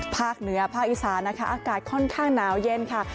ภาคเหนือภาคอีสานนะคะอากาศค่อนข้างหนาวเย็นค่ะ